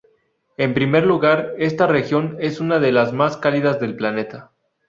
En primer lugar, esta región es una de las más cálidas del planeta.